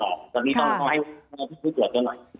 ตอนนี้ต้องให้ที่ตรวจด้วยหน่อย